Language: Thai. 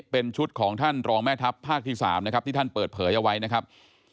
เป็นชุดของท่านรองแม่ทัพภาคที่๓นะครับที่ท่านเปิดเผยเอาไว้นะครับ